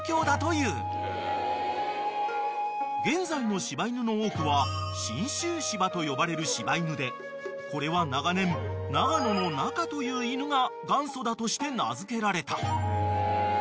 ［現在の柴犬の多くは信州柴と呼ばれる柴犬でこれは長年長野の中という犬が元祖だとして名付けられた］